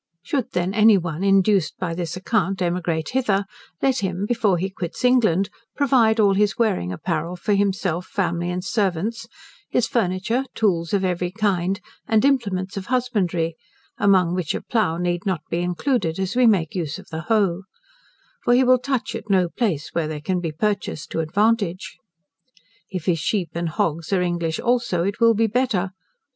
Should then any one, induced by this account, emigrate hither, let him, before he quits England, provide all his wearing apparel for himself, family, and servants; his furniture, tools of every kind, and implements of husbandry (among which a plough need not be included, as we make use of the hoe), for he will touch at no place where they can be purchased to advantage. If his sheep and hogs are English also, it will be better.